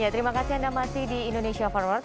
terima kasih anda masih di indonesia forward